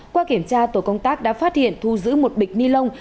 qua kiểm tra tổ công tác đã phát hiện thu giữ một bịch ni lông